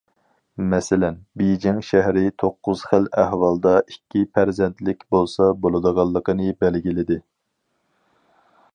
مەسىلەن: بېيجىڭ شەھىرى توققۇز خىل ئەھۋالدا ئىككى پەرزەنتلىك بولسا بولىدىغانلىقىنى بەلگىلىدى.